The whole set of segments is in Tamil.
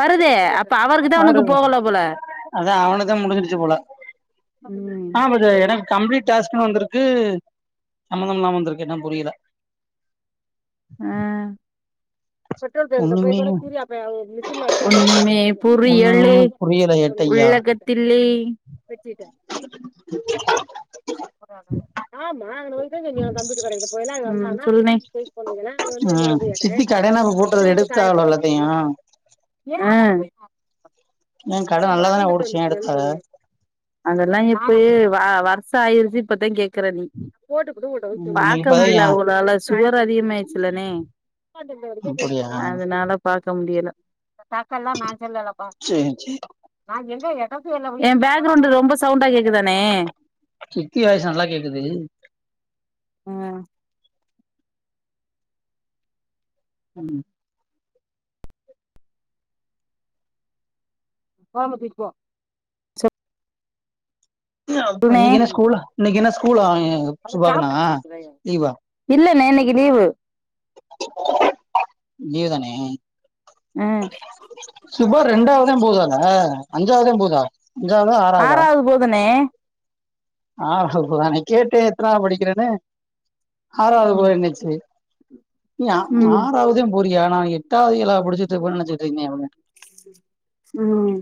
வருதே அப்ப அவருக்குதான் உனக்கு போகல போல ம் ஆ கொஞ்ச எட இருக் கம்ப்ளீட் டாஸ்க்ன்னு வந்திருக்கு சம்மந்தமில்லாம வந்திருக்கு என்னனு புரியல அ ஒண்ணுமே ஒன்னுமே புரியலை எல எட்டையா தில்லை ம் சொல்லுனே [unintelligible] அவய் என்னனய் ம் வந்து கேக்கறே சித்தி கடனா இப்ப அப்பதா போட்டது எடுத்து காய எடுத்தாகளா போட்டி ட்டிருக்கு எல்லாத்தையு ஏ ஏ கடை நல்லாதான ஓடிச்சு ஏ எடுத்தாரு அதெல்லா எப்பயே வ வருஷோ ஆயிருச்சு இப்பதா கேக் கற நீ ம் பார்க்க இப்பதா ஏ முடியல அவுங்களால சுகர் அதிகமாயிருச்சுல்லணே அப்படியா அதனால பாக்க முடியல சேரி சேரி ஏ பேக்குரவுண்டடு ரொம்ப சவுண்டா கேக்குதாண்ணே சித்தி வாய்ஸ் நல்லா கேக்குது அ ம் ஓரமா தூக்கிட்போ அண்ணே இன்னைக்கு என்ன ஸ்கூல்லா இன்னைக்கு என்ன ஸ்கூல்லா சுபாகுனா லீவா இல்லண்ணே இன்னைக்கு லீவு லீவு தானே அ சுபா ரெண்டாவதா போதாண்ணே அஞ்சாவதே போதா அஞ்ஞாவதா ஆ ஆறாவது போதுண்ணே ஆறாவது போதா நா கேட்டே எத்தனாவது படிக்கிறேன்னு ஆறாவது ம் போறேன்னுச்சு நீ ஆ ஆறாவதே போரியா நா எட்டாவது ஏழாவது படிச்சிட்டு இருபன்னு நெனச்சிட்டு இருக்கே உன்ன ம்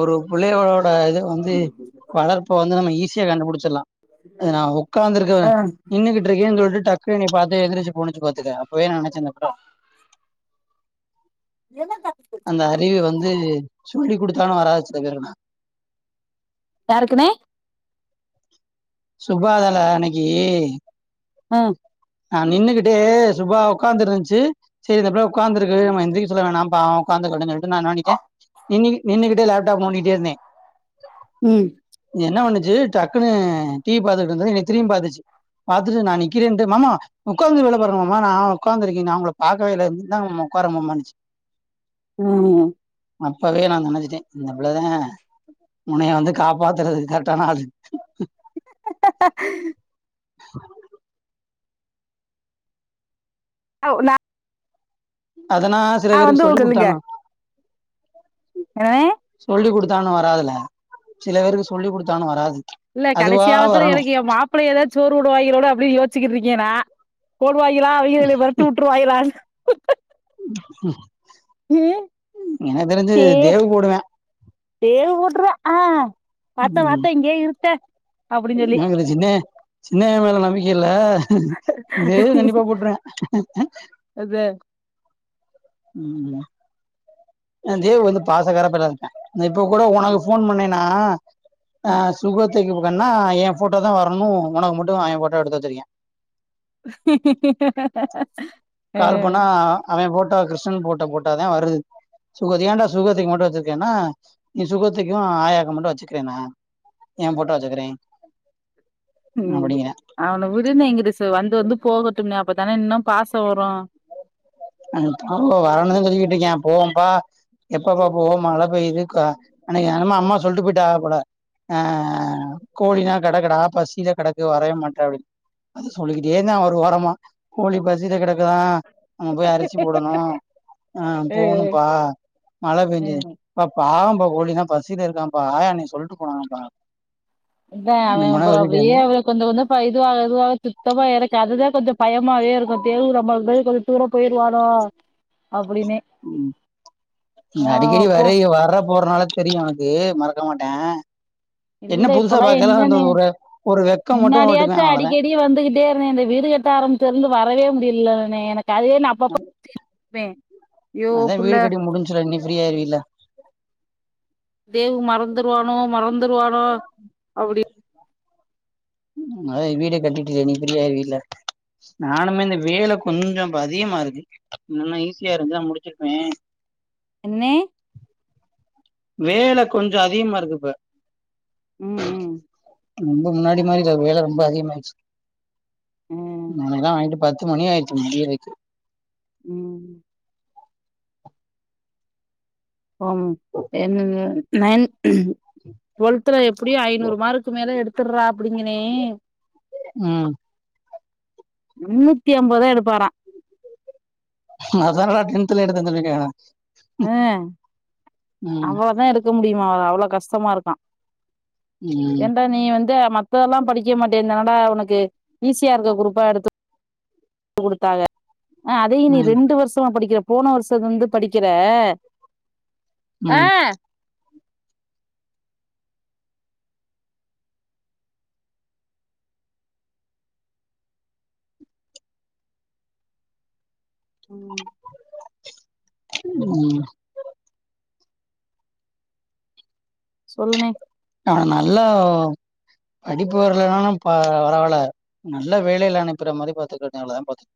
ஒரு புள்ளையோட இது வந்து வளர்ப்ப வந்து நம்ம ஈஸியா கண்டுபுடிச்சிடலா நா ஆ உக்காந்துருக்கறே நின்னுகிட்டு இருக்கேன்னு சொல்ட்டு டக்கு என்னய பாத்து எந்திரிச்சு போணிச்சு பாத்துக்க அப்பவே நெனச்ச மக்கா என்னத அந்த அறிவு வந்து சொல்லி் குடுத்தாலு வராது சில பேருக்குளா யாருக்குணே சுபாதான அன்னைக்கி அ நா நின்னுகிட்டு சுபா உக்காந்து இருன்ச்சு சேரி இந்த புள்ள உக்கார்ந்திருக்கு இருக்கு நம்ம எந்திரிக்க சொல்ல வேண்டா பாவம் உட்காந்துக்கிட்டம் சொல்லிட்டு நா எனாவன்னிட்டே நின்னு நின்னுகிட்டு லேப்டாப் நோண்டிட்டே இருந்தே ம் என்ன வண்ணுச்சு டக்குன்னு டீவி பாத்துட்டு இருந்தது என்னய திரும்பி பாத்துச்சு பாத்துட்டு நா நிற்கிறேன்டு மாமா உக்காந்து வேலை பாருங்க மாமா நா உக்காந்துருக்கே நா உங்கள பாக்கவே இல்ல இந்தாங்க மாமா உக்காருங்க மாமானுச்சு ம் அப்பவே நா நெனச்சுட்டே இந்தப் புள்ளதே உனைய வந்து காப்பாத்தறதுக்கு கரெட்டான ஆளு அவு நா அதனா சில நான் பேருக்கு வந்து சொல்லி குடுத்தானு எவே சொல்லி் குடுத்தானு வராதுல சில பேருக்கு சொல்லி் குடுத்தானு வராது இல்ல அதுவா கடைசியாலத்துல வரணும் எனக்கு எம் மாப்பிளைகதா சோறு போடுவாயிங்களோனு அப்டி யோச்சிகிட்ருக்கே நா போடுவாயிகளா அவிகளு எனைய வெரட்டு உட்ருவாய்களா எனகு தெரிஞ்சு தே தேவு போடுவே தேவு போட்ருவே அ பாத்த பாத்த இங்கியே இருத்தே நாக ரஜினே சின்னைய மேல நம்பிக்க இல்ல தேவு கண்டிப்பா போட்ருவே அதே ம் ம் அ தேவு வந்து பாசகாற பயலாதா இருக்கா இப்ப கூட உனக்கு ஃபோன் பண்ணேனா அ சுகத் தேகுபுகன்னா எ போட்டோதா வரணு ஒனக்கு மட்டு எ போட்ட எடுத்து வச்சுருக்கே அ அவே போட்டா கிருஷ்ணன் போட்டா போட்டாதா வருது சுகத் ஏன்டா சுகத்துக்கு மட்டு வச்சிருக்கேன்னா நீ சுகத்திக்கு ஆயாக்கு மட்டு வச்சுக்றேனா எம் போட்டா வச்சுகிறே ம் அவன விடுனே இங்குட்டுசே வந்து வந்து போகட்டும்னே அப்பத்தானே இன்னும் பாசோ வரு அ பாக்க வரணுதா சொல்லிகிட்ருக்கியா போவோம்பா எப்பப்பா போவோ மழ பெயுதுக்கா அன்னைக்கு அம்மா அம்மா சொல்ட்டு போயிட்டாக போல அ கோழிலா கெடக்கடா பசில கெடக்கு வரவே மாட்டே அப்டினு சொல்லிகிட்டேந்தா ஒரு ஓரமா கோழி பசில கெடக்குதா அங்க போய் அரிசி போடணு ஆ போகணும்ப்பா மழ பெஞ்சின் பா பாவம்பா கோழிலாம் பசில இருக்காம்ப்பா ஆயா அன்னைக் சொல்ட்டுப் போனாங்கப்பா தா முன்ன அவே பின்ன சொல்லிட்டேன் [unintelligible] கொஞ்ச கொஞ்சப்ப இதுவாக இதுவாக சுத்தமா எனக்கு அதுதா கொஞ்சம் பயமாவே இருக்கு தேவு [unintelligible] தூரப் போயிருவானோ அப்டினே ம் அடிக்கடி போ வரையு வறப் போறனால தெரியு அது மறக்க மாட்டே என்ன இல்ல புதுசா இப்பலா பாக்கைல அந்த எங்கணே ஒரு ஒரு வெக்கம் மட்டு போட்டுக்குவே முன்னாடியாச்சு அவ்ளோதா அடிக்கடி வந்துகிட்டேப் பனே இந்த வீடு கட்ட ஆரம்பிச்சதிலிந்து வரவே முடியல்லணே எனக்கு அதுவே நப் [unintelligible] யோ புள்ள ச்சுரு நீ ஃபிரீ ஆயிருவில்ல தேவு மறந்துருவானோ மறந்துருவானோ அப்டி மொத வீடே கட்டிட்டுல நீ ஃப்ரீ ஆயிருவி இல்ல நானுமே இந்த வேல கொஞ்சம் இப்ப அதிகமா இருக்கு இன்னனா ஈஸியா இருந்தா முடிச்சிருப்பே அண்ணே வேல கொஞ்சோ அதிகமா இருக்கு இப்ப ம் ம் ரொம்ப முன்னாடி மாதிரி வேல ரொம்ப அதிகமாயிச்சு ஆ நமதான் வாங்கிட்டு பத்து மணி ஆயிச்சு முடியறதுக் ம் அம் என்னங்க நைன் டுவல்த்ல எப்படியு ஐநூறு மார்க்கு மேல எடுத் த்துர்றா அப்டிங்கனே ம் முந்நூத்திஅம்பதுதா எடுப்பாரா அதெல்லா டேன்த்ல எடுத்து வந்த்ருவீங்களா அ அவ்ளோதா எடுக்க முடியுமா அவ்ளோ கஷ்டமா இருக்கா ம் ஏண்டா நீ வந்து மத் மத்தெல்லா படிக்க மாட்டேன் தானடா உனக்கு ஈஸியா இருக்க குரூப்பா எடுத்து குடுத்தாக அதையு நீ ம் ரெண்டு வருஷமா படிக்கிற போன வருஷத்லருந்து படிக்கிற அ ம் உம் உம் சொல்ணே அவே நல்லோ படிப்பு வரலன்னாலும் பரவா பரவால்ல நல்ல வேலையில அனுப்புற மாரி பாத்துக்கட்டு அவ்ளோதா பாத்துக்க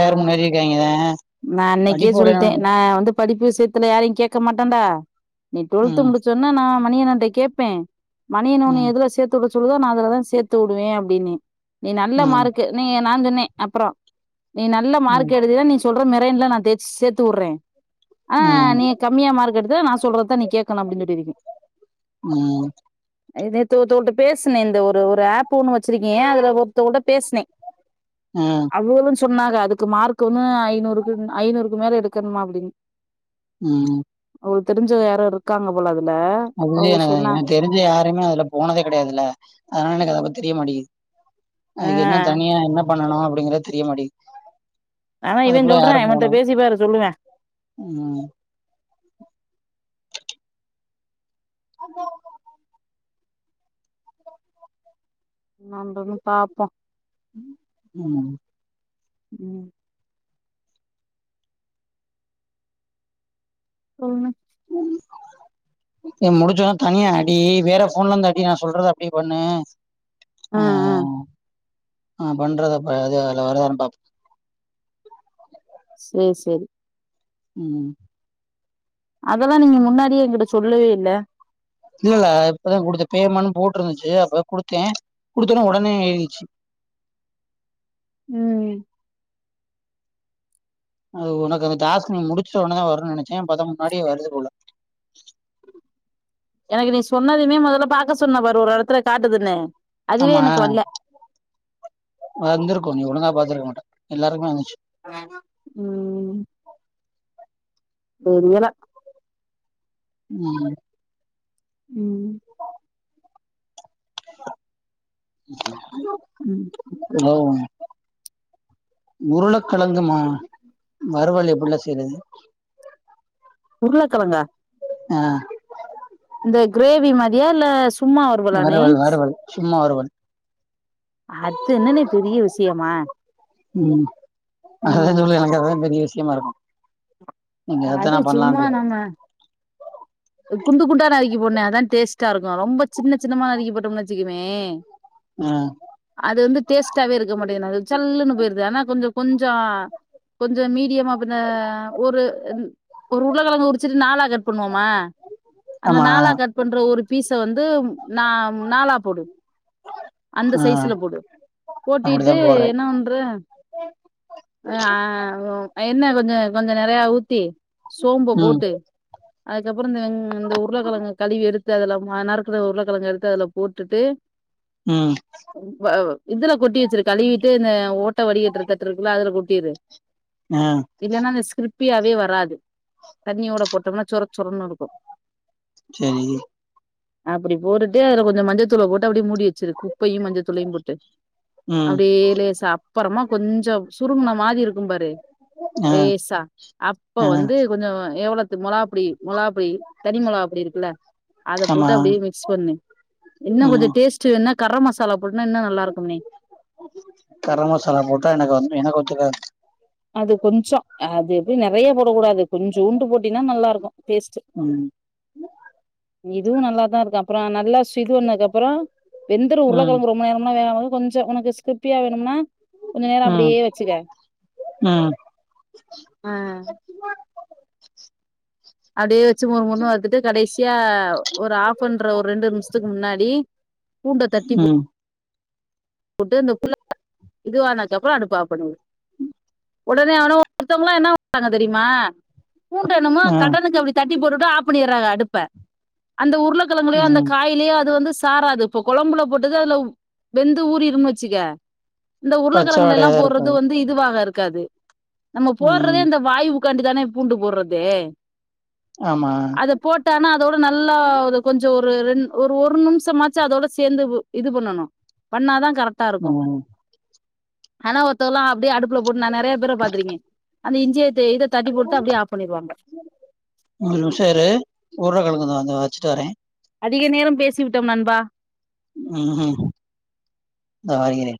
ஆ நா அன்னைக்கே படிப்பு வரலனா சொல்லிட்டே நா வந்து படிப்பு விஷயத்துல யாரையு கேட்க மாட்டன்டா நீ டொல்து ம் முடிச்ச வொன்னே நா மணியண்ணேட்ட கேப்பே மணியண்ணே உன்ன ம் எதுல சேத்து விட சொல்லுதோ நா அதுலதா சேத்து விடுவே அப்டின்னெ நீ நல்ல ம் மார்க் நீ நா சொன்னே அப்றோ நீ நல்ல ம் மார்க் எடுத்தினா நீ சொல்ற மெரேன்ல நா தேச் சேத்து வுடுறே ஆனா ம் நீ கம்மியா மார்க் எடுத்தா நா சொல்றதா நீ கேட்கலா அப்டின்னு சொல்ட்டு இர்க்கே ம் நேத்து ஒருத்தொ‌வ்ள்ட்ட பேசுனே இந்த ஒரு ஒரு ஆப்போன்னு வச்ருக்கே அதுல ஒருத்தரவொள்ட்ட பேசுனே ம் அவுகளு சொன்னாக அதுக்கு மார்க் ஒன் ஐநூறுக்கு ஐநூறுக்கு மேல எடுக்கணுமா அப்படின்னு ம் அவுகள்க்கு தெருஞ்சவ யாரோ இருக்காங்க போல அதுல அது வந்து அவங்க என ஏ சொன்னாங்க தெரிஞ்ச யாருமே அதுல போனதே கெடையாதுல்ல அதனால எனக்கு அதபத்தி தெரியமாட்டிகுது ஆ அதுக்கு என்ன தனியா என்ன பண்ணனும் அப்டிங்குறத் தெரிய மாட்டிங்குது ஆ இவே சொல்றான் இவேட்ட பேசிப்பாரு சொல்லுவா ம் [inaudible] நம்பளு பாப்போ ம் ஆமா ம் சொல்லு டுலிஸ்- [inaudible] ஏ முடிச்சது தனியா அடி வேற போன்ல இருந்து அடி நா சொல்றத அப்டி பண்ணு ஆ ஆ ஆஹ் நா பண்றத பாரு அத அதுல வரதான்னு பாப்போம் சேர் சேரி ம் அதெல்லா நீங்க முன்னாடியே எங்கிட்ட சொல்லவே இல்ல இல்லல்ல இப்பதா குடுத்த பேமெண்டு போட்டுருந்துச்சி அப்ப தா குடுத்தே குடுத்தோன்ன உடனே எரிச்சு ம் அது உனக்கு அந்த டாஸ்க் நீ முடிச்ச வொன்ன தா வரும்னு நெனச்சே பாத்த முன்னாடியே வருது போல எனக்கு நீ சொன்னதுமே மொதல்ல பாக்க சொன்ன பாரு ஒரு எடத்துல காட்டுதுன்னு அதுவே ஆமா எனக்கு வல்ல வந்திருக்கு நீ ஒழுங்கா பாத்தருக்க மாட்ட எல்லாருக்குமே வந்துச்சு ம் தெரியல ம் ம் [unintelligible] ம் [unintelligible] உருளக்கழங்கமா வறுவல் எப்புட்லா செய்றது உருளக்கழங்கா ஆ இந்த கிரேவி மாரியா இல்ல சு வறுவல் வறுவல் சும்மா வறுவல் அத்து எண்ணண்னே பெரிய விஷயமா ம் அதா ம் தோழி எனக்கு அதா பெரிய விஷயமா இருக்கு இன்னிக்கி அதத்தா அது நா பண்ணலான்ருக்கே அ குண்டு குண்டா நறுக்கி போட்னே அதா டேஸ்டா இருக்கு ரொம்ப சின்ன சின்னமா நருக்கி போட்டம்னு வெச்சுக்கவே ஆ அது வந்து டேஸ்ட்டாவே இருக்க மாட்டேங்கது அது சல்லுன்னு போயிருது ஆனா கொஞ்ச கொஞ்சோ கொஞ்ச மீடியமா பின்ன ஒரு ஒரு உருளக்கெழங்கு உரிச்சிட்டு நாலா கட் பண்ணுவோம அந்த ஆமா நாலா கட் பண்ற ஒரு பீஸ வந்து நா நாலா போடு அந்த ஆ சைஸ்ல போடு அப்டிதா போட்டிட்டு போட்றே என்ன பண்ற ஆ எண்ண கொஞ்சோ கொஞ்சோ நெறையா ஊத்தி சோம்ப ம் போட்டு அதுக்கப் றோ இந்த ங் இந்த உருளக்கெழங்க கழிவி எடுத்து அதுல ம நருக்குன உருளக்கெழங்க எடுத்து அதல போட்டுட்டு ம் வ இதுல கொட்டி வெச்சிரு கழுவிட்டு இந்த ஓட்ட வடிகட்டுற தட்டு இருக்குல்லா அதுல கொட்டிரு ஆ இல்லன்னா அந்த ஸ்கிரிப்பியாவே வராது தண்ணியோட போட்டம்னா சொரச்சொரன்னு இருக்கு செரி அப்டி போட்டுட்டு அதுல கொஞ்ச மஞ்சதூள போட்டு அப்படியே மூடி வெச்சிரு குப் உப்பையு மஞ்ச துளையு போட்டு ம் அப்டியே லேசாப் அப்பறமா கொஞ்சோ சுருங்குன மாரி இருக்கும் பாரு ஆ லேசா அப்ப ஆ வந்து கொஞ்சோ எவ்ளத்து மொளகாப்பொடி மொளகாப் பொடி தனி மொளகாபொடி இருக்குல்ல அத போட்டு ஆமா அப்டியே மிக்ஸ் பண்ணு இன்னுங் கொஞ்சோ ம் டேஸ்ட் டு வேனுனா கர மசாலா போட்டனா இன்னு நல்லா இருக்கும்நே கரம் மசாலா போட்டா எனக்கு வந்து என்க்கு ஒத்துக்காது அது கொஞ்சோ அது எப்டி நெறைய போடக் கூடாது கொஞ்சூண்டு போட்டினா நல்லா இருக்கு டேஸ்ட்டு ம் இதுவு நல்லாதா இருக்கு அப்புறோ நல்லா சு இது பண்ணதுக்கு அப்பறோ வெந்துரு ம் உருளக்கெழங்கு ரொம்ப நேரம் லா வேகாது கொஞ்சோ உனக்கு ஸ்கிரிப்பியா வேணும்னா கொஞ்ச நேரோ அப்டியே வெச்சுக்க ஆ ஆ [inaudible] அப்டியே வச்சு மொரு மொருணு வறுத்துட்டு கடைசியா ஒரு ஆஃப் பண்ற ஒரு ரெண்டு நிமிஷத்துக்கு முன்னாடி பூண்ட தட்டி போட் ம் டு இந்த புள்ள இதுவானதுக்கப்பறம் அடுப்ப ஆப் பண்ணிடு உடனே வேற ஒருத்தவங்களா இருந்தா என்னா பண்ணுவாங்க தெரியுமா பூண்ட என்னமோ ஆ கடனுக்கு அப்டித் தட்டி போட்டுட்டு ஆப் பண்ணிறாங்க அடுப்ப அந்த உருளைக்கெழங்கலியோ அந்த ம் காய்லியோ அது வந்து சாராது இப்போ கொழம்புல போட்டது அது வெந்து ஊறிறும்ன்னு வச்சுக்க இந்த உருளைக்கெழங்கல எல்லாம் பச்சவாடையாதா போடுறது இருக்காது வந்து இதுவாக இருக்காது நம்ம ம் போடறதே இந்த வாய்வுக்காண்டி தானே பூண்டு போடுறது ஆமா அத போட் டானா அதோட நல்லா ஒரு கொஞ்சோ ஒரு ரெண் ஒரு ஒரு நிமிஷமாச்சும் அதோட சேர்ந்து இது பண்ணணு பண்ணாதா கரெக்ட் ம் ஆனா ஒருத்தவல்லாம் அப்டியே அடுப்புல போட்டு நா நெறைய பேர பாத்துருக்க அந்த இஞ்சிய தே இதைத் தட்டி போட்டு அப்டியே ஆப் பண்ணிருவாங்க ஒரு நிமிஷ இரு உருளக்கெழங்கு இதா வந்து வச்சிட்டு வரே அதிக நேரம் பேசி விட்டோம் நண்பா ம் ம் இதோ வருகிறே